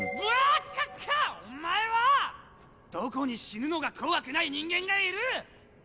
どこに死ぬのが怖くない人間がいる！